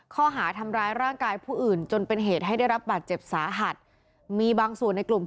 ข้อหาทำร้ายร่างกายผู้อื่นจนเป็นเหตุให้ได้รับบัตรเจ็บสาหัส